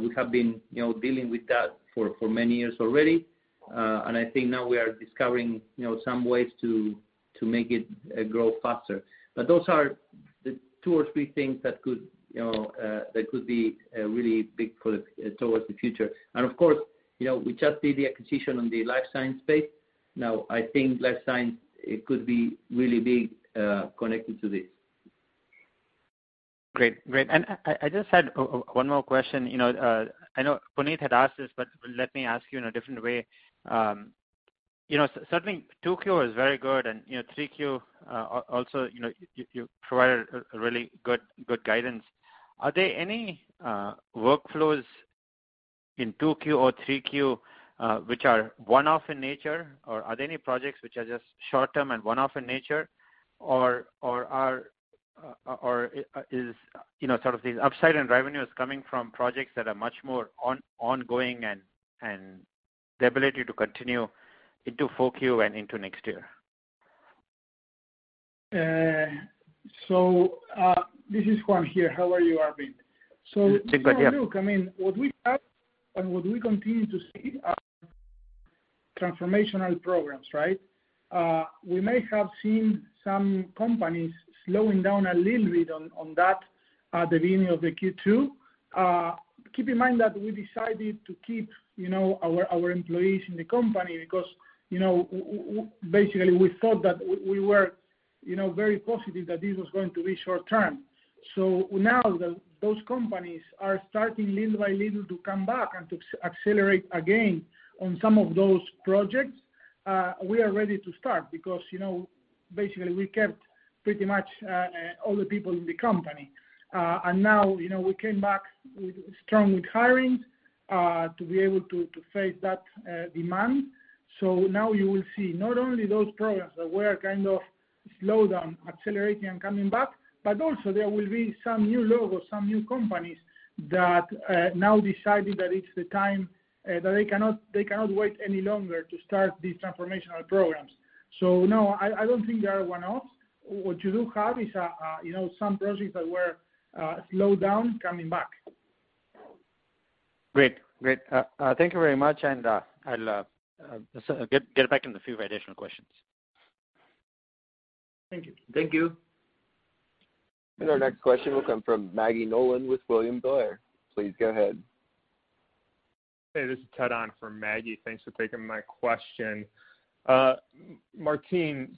We have been dealing with that for many years already. I think now we are discovering some ways to make it grow faster. Those are the two or three things that could be really big towards the future. Of course, we just did the acquisition on the life science space. Now, I think life science, it could be really big, connected to this. Great. I just had one more question. I know Puneet had asked this, but let me ask you in a different way. Certainly, 2Q is very good and 3Q also, you provided a really good guidance. Are there any workflows in 2Q or 3Q, which are one-off in nature, or are there any projects which are just short-term and one-off in nature, or is sort of this upside in revenue is coming from projects that are much more ongoing and the ability to continue into 4Q and into next year? This is Juan here. How are you, Arvind? It's good, yeah. If you look, I mean, what we have and what we continue to see are transformational programs, right? We may have seen some companies slowing down a little bit on that at the beginning of the Q2. Keep in mind that we decided to keep our employees in the company because, basically, we thought that we were very positive that this was going to be short-term. Now those companies are starting little by little to come back and to accelerate again on some of those projects. We are ready to start because basically, we kept pretty much all the people in the company. Now we came back strong with hiring, to be able to face that demand. Now you will see not only those projects that were kind of slowed down accelerating and coming back, but also there will be some new logos, some new companies that now decided that it's the time, that they cannot wait any longer to start these transformational programs. No, I don't think they are one-offs. What you do have is some projects that were slowed down, coming back. Great. Thank you very much. I'll get back in a few additional questions. Thank you. Thank you. Our next question will come from Maggie Nolan with William Blair. Please go ahead. Hey, this is Ted on for Maggie. Thanks for taking my question. Martín,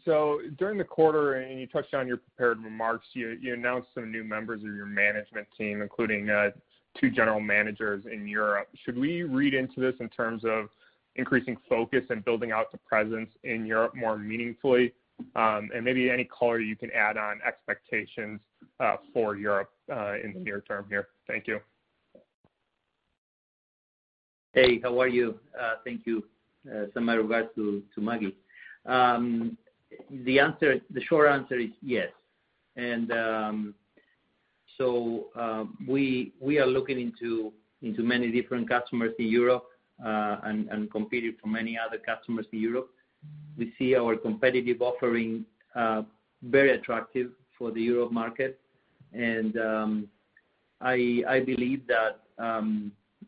during the quarter, and you touched on your prepared remarks, you announced some new members of your management team, including two general managers in Europe. Should we read into this in terms of increasing focus and building out the presence in Europe more meaningfully? Maybe any color you can add on expectations for Europe in the near term here. Thank you. Hey, how are you? Thank you. Send my regards to Maggie. The short answer is yes. We are looking into many different customers in Europe, and competing for many other customers in Europe. We see our competitive offering very attractive for the Europe market, and I believe that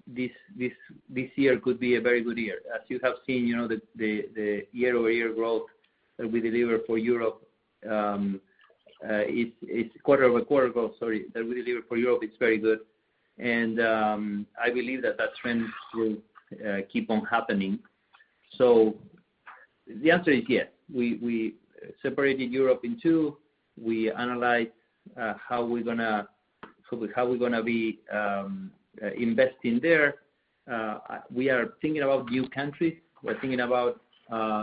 this year could be a very good year. As you have seen, the year-over-year growth that we deliver for Europe, quarter-over-quarter growth, sorry, that we deliver for Europe, it's very good. I believe that trend will keep on happening. The answer is yes. We separated Europe in two. We analyzed how we're going to be investing there. We are thinking about new countries. We're thinking about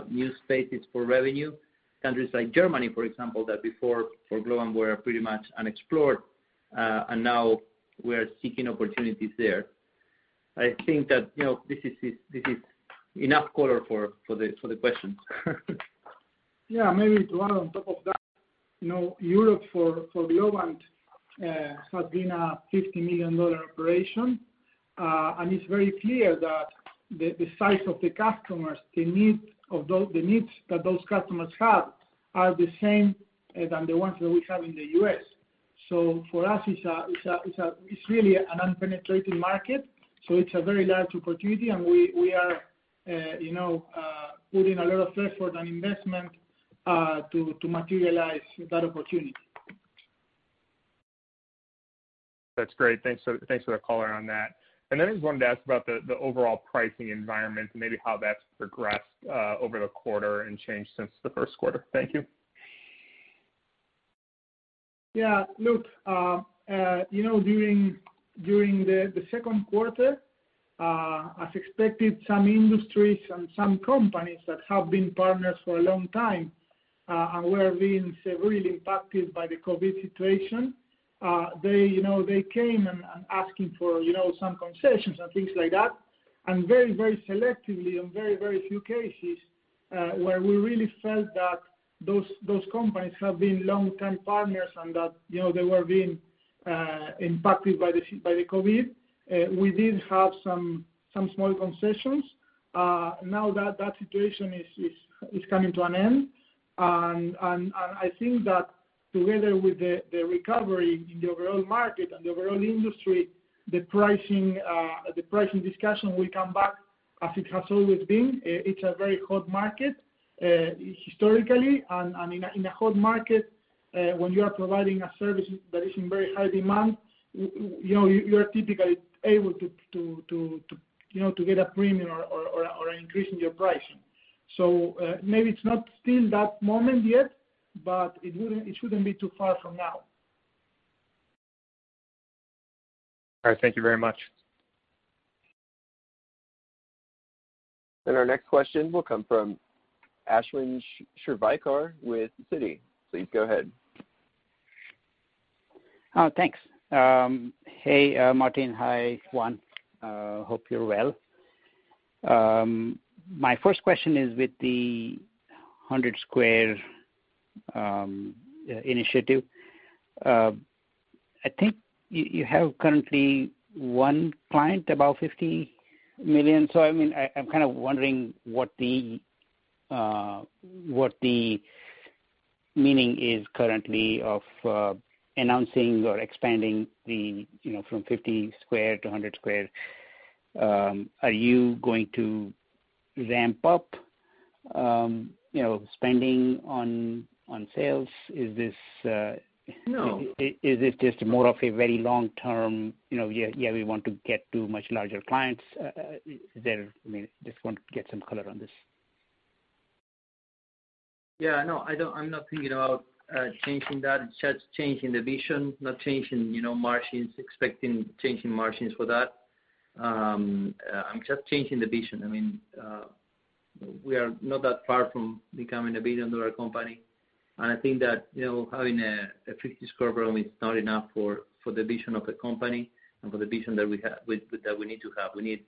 new spaces for revenue. Countries like Germany, for example, that before for Globant were pretty much unexplored, and now we are seeking opportunities there. I think that this is enough color for the question. Yeah, maybe to add on top of that, Europe for Globant has been a $50 million operation. It's very clear that the size of the customers, the needs that those customers have are the same as the ones that we have in the U.S. For us, it's really an unpenetrated market, so it's a very large opportunity, and we are putting a lot of effort and investment to materialize that opportunity. That's great. Thanks for the color on that. I just wanted to ask about the overall pricing environment and maybe how that's progressed over the quarter and changed since the first quarter. Thank you. Yeah. Look, during the second quarter, as expected, some industries and some companies that have been partners for a long time, and were being severely impacted by the COVID-19 situation, they came and asking for some concessions and things like that. Very selectively, on very few cases, where we really felt that those companies have been long-term partners and that they were being impacted by the COVID-19, we did have some small concessions. Now that situation is coming to an end. I think that together with the recovery in the overall market and the overall industry, the pricing discussion will come back as it has always been. It's a very hot market historically, and in a hot market, when you are providing a service that is in very high demand, you are typically able to get a premium or an increase in your pricing. Maybe it's not still that moment yet, but it shouldn't be too far from now. All right. Thank you very much. Our next question will come from Ashwin Shirvaikar with Citi. Please go ahead. Thanks. Hey, Martín. Hi, Juan. Hope you're well. My first question is with the 100-Square initiative. I think you have currently one client above $50 million. I'm kind of wondering what the meaning is currently of announcing or expanding from 50 Square to 100-Square. Are you going to ramp up spending on sales? No Is this just more of a very long-term, yeah, we want to get to much larger clients? I just want to get some color on this. No, I'm not thinking about changing that. It's just changing the vision, not changing margins, expecting changing margins for that. I'm just changing the vision. We are not that far from becoming a billion-dollar company, and I think that having a 50-Squared Program is not enough for the vision of the company and for the vision that we need to have. We need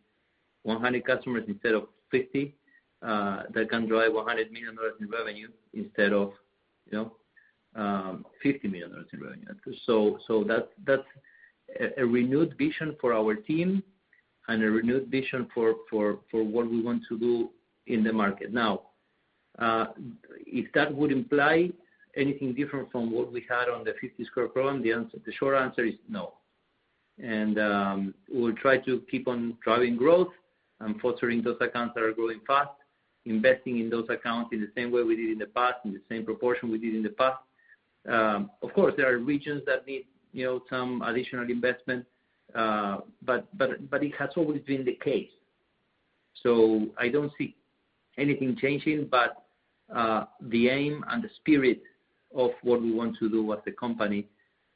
100 customers instead of 50 that can drive $100 million in revenue instead of $50 million in revenue. That's a renewed vision for our team and a renewed vision for what we want to do in the market. If that would imply anything different from what we had on the 50-Squared Program, the short answer is no. We'll try to keep on driving growth and fostering those accounts that are growing fast, investing in those accounts in the same way we did in the past, in the same proportion we did in the past. Of course, there are regions that need some additional investment, but it has always been the case. I don't see anything changing, but the aim and the spirit of what we want to do as a company,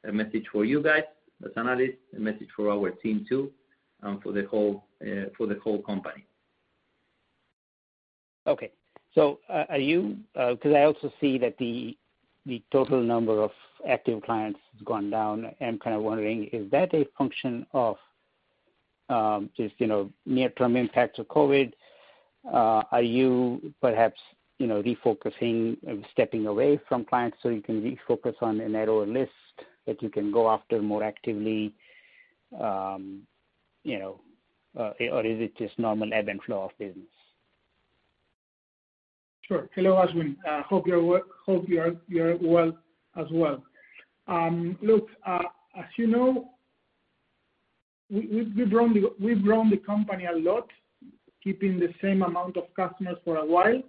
a message for you guys, as analysts, a message for our team too, and for the whole company. Okay. I also see that the total number of active clients has gone down. I'm kind of wondering, is that a function of just near-term impacts of COVID? Are you perhaps refocusing and stepping away from clients so you can refocus on a narrower list that you can go after more actively, or is it just normal ebb and flow of business? Sure. Hello, Ashwin. Hope you are well as well. Look, as you know, we've grown the company a lot, keeping the same amount of customers for a while.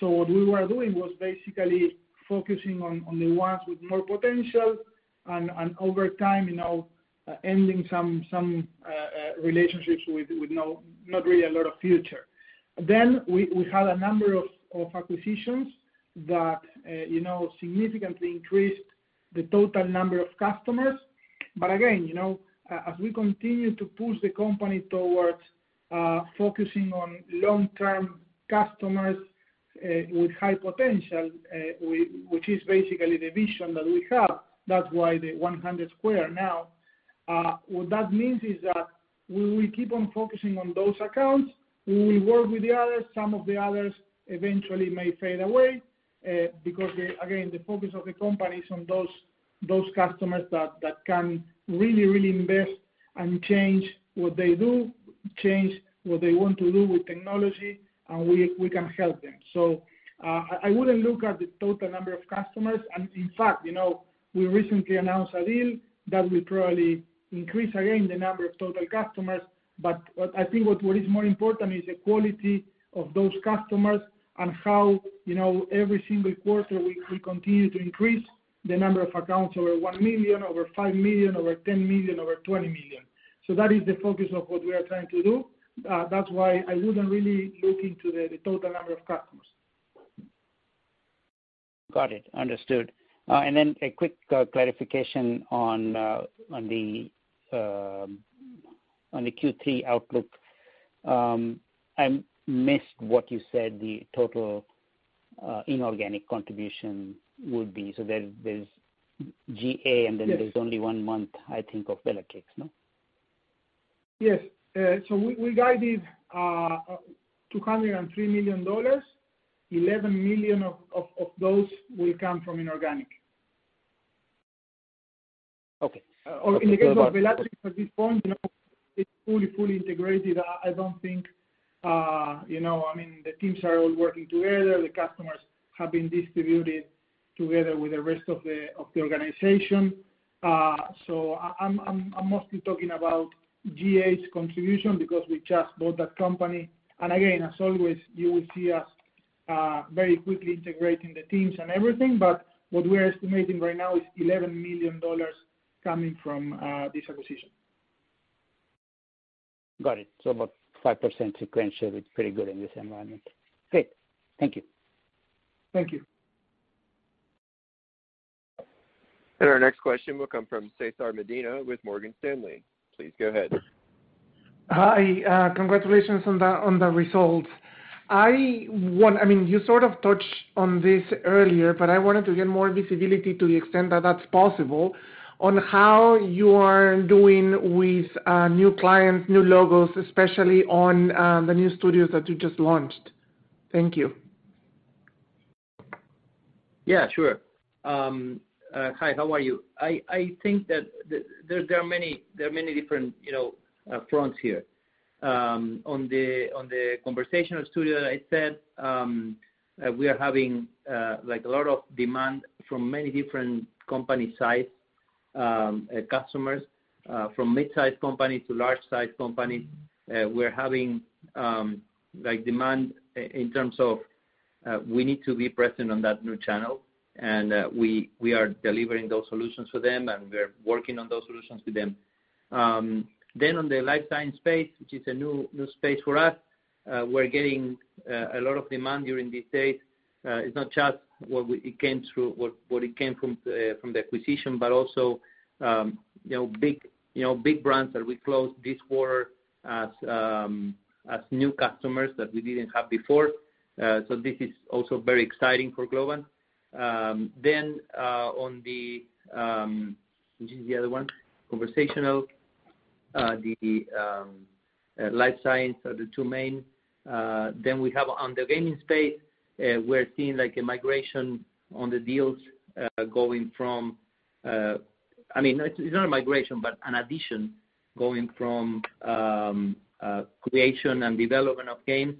What we were doing was basically focusing on the ones with more potential, and over time, ending some relationships with not really a lot of future. We had a number of acquisitions that significantly increased the total number of customers. Again, as we continue to push the company towards focusing on long-term customers, with high potential, which is basically the vision that we have, that's why the 100-Square now. What that means is that we will keep on focusing on those accounts. We will work with the others. Some of the others eventually may fade away, because again, the focus of the company is on those customers that can really, really invest and change what they do, change what they want to do with technology, and we can help them. I wouldn't look at the total number of customers. In fact, we recently announced a deal that will probably increase again the number of total customers. What I think what is more important is the quality of those customers and how every single quarter we continue to increase the number of accounts over $1 million, over $5 million, over $10 million, over $20 million. That is the focus of what we are trying to do. That's why I wouldn't really look into the total number of customers. Got it. Understood. A quick clarification on the Q3 outlook. I missed what you said the total inorganic contribution would be. There's gA. Yes there's only one month, I think, of Bluecap. No? Yes. We guided $203 million, $11 million of those will come from inorganic. Okay. In the case of Bluecap, at this point, it's fully integrated. The teams are all working together. The customers have been distributed together with the rest of the organization. I'm mostly talking about gA's contribution because we just bought that company. Again, as always, you will see us very quickly integrating the teams and everything. What we're estimating right now is $11 million coming from this acquisition. Got it. About 5% sequentially, it's pretty good in this environment. Great. Thank you. Thank you. Our next question will come from Cesar Medina with Morgan Stanley. Please go ahead. Hi. Congratulations on the results. You sort of touched on this earlier, but I wanted to get more visibility to the extent that that's possible, on how you are doing with new clients, new logos, especially on the new studios that you just launched. Thank you. Yeah, sure. Hi, how are you? I think that there are many different fronts here. On the conversational studio, as I said, we are having a lot of demand from many different company size customers. From mid-size company to large-size company, we're having demand in terms of we need to be present on that new channel, and we are delivering those solutions for them, and we're working on those solutions with them. On the life science space, which is a new space for us, we're getting a lot of demand during this phase. It's not just what it came from the acquisition, but also big brands that we closed this quarter as new customers that we didn't have before. This is also very exciting for Globant. On the, which is the other one? Conversational, the life science are the two main. We have on the gaming space, we're seeing a migration on the deals. It's not a migration, but an addition going from creation and development of games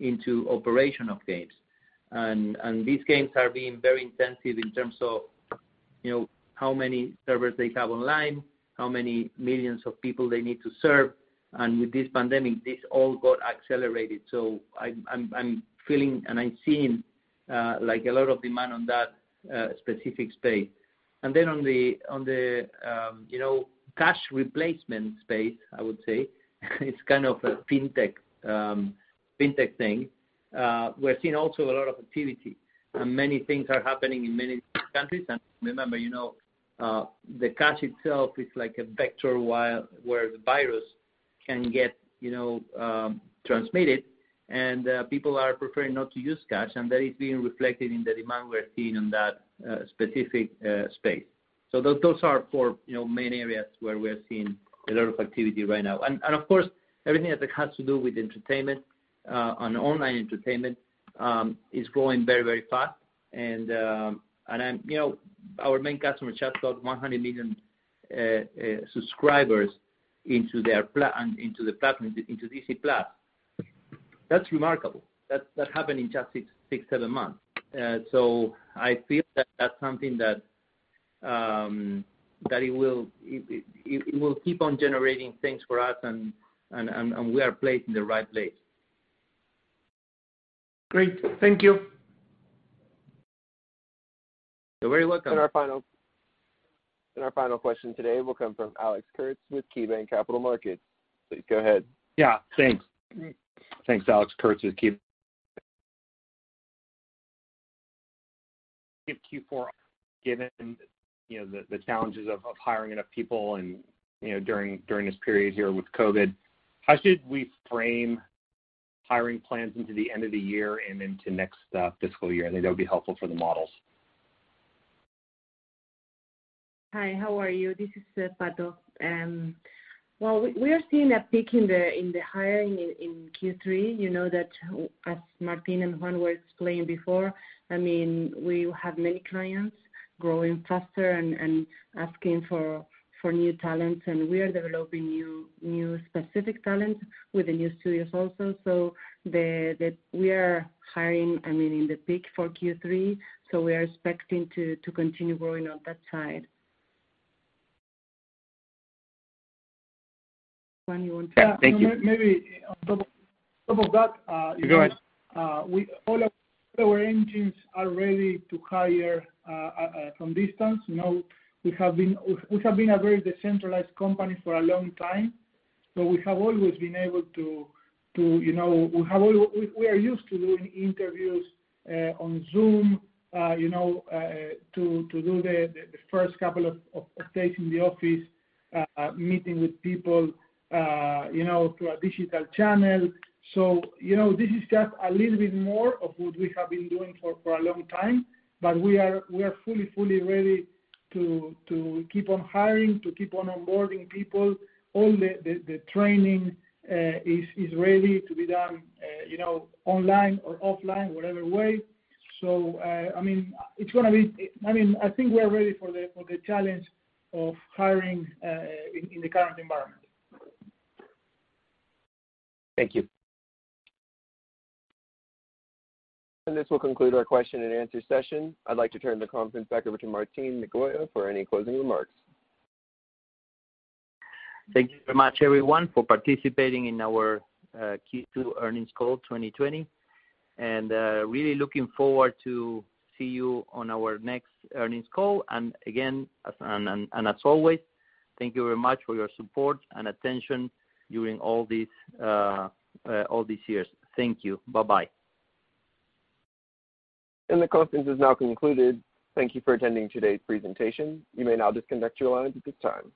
into operation of games. These games are being very intensive in terms of how many servers they have online, how many millions of people they need to serve. With this pandemic, this all got accelerated. I'm feeling, and I'm seeing a lot of demand on that specific space. On the cash replacement space, I would say, it's kind of a fintech thing. We're seeing also a lot of activity, and many things are happening in many countries. Remember the cash itself is like a vector where the virus can get transmitted, and people are preferring not to use cash, and that is being reflected in the demand we're seeing in that specific space. Those are four main areas where we are seeing a lot of activity right now. Of course, everything that has to do with entertainment and online entertainment is growing very fast. Our main customer just got 100 million subscribers into Disney+. That's remarkable. That happened in just six, seven months. I feel that that's something that it will keep on generating things for us and we are placed in the right place. Great. Thank you. You're very welcome. Our final question today will come from Alex Kurtz with KeyBanc Capital Markets. Please go ahead. Yeah, thanks. Thanks, Alex Kurtz with KeyBanc Q4, given the challenges of hiring enough people and during this period here with COVID, how should we frame hiring plans into the end of the year and into next fiscal year? I think that would be helpful for the models. Hi, how are you? This is Pato. Well, we are seeing a peak in the hiring in Q3. You know that as Martín and Juan were explaining before, we have many clients growing faster and asking for new talents, and we are developing new specific talents with the new studios also. We are hiring in the peak for Q3, so we are expecting to continue growing on that side. Juan, you want to- Yeah. Thank you. Maybe on top of that. Go ahead. All of our engines are ready to hire from distance. We have been a very decentralized company for a long time. We have always been used to doing interviews on Zoom, to do the first couple of days in the office, meeting with people through a digital channel. This is just a little bit more of what we have been doing for a long time. We are fully ready to keep on hiring, to keep on onboarding people. All the training is ready to be done online or offline, whatever way. I think we are ready for the challenge of hiring in the current environment. Thank you. This will conclude our question and answer session. I'd like to turn the conference back over to Martín Migoya for any closing remarks. Thank you very much, everyone, for participating in our Q2 earnings call 2020, and really looking forward to see you on our next earnings call. Again, and as always, thank you very much for your support and attention during all these years. Thank you. Bye-bye. The conference is now concluded. Thank you for attending today's presentation. You may now disconnect your lines at this time.